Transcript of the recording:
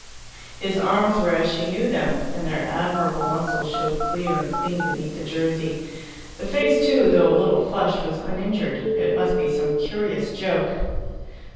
His arms were as she knew them, and their admirable muscles showed clear and clean beneath the jersey. The face, too, though a little flushed, was uninjured: it must be some curious joke.